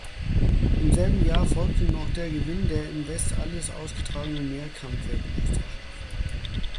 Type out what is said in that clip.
Im selben Jahr folgte noch der Gewinn der in West Allis ausgetragenen Mehrkampf-Weltmeisterschaft.